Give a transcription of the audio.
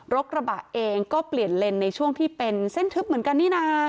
กระบะเองก็เปลี่ยนเลนในช่วงที่เป็นเส้นทึบเหมือนกันนี่นะ